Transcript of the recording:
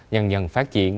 dần dần phát triển